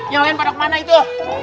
yang lain pada ke mana itu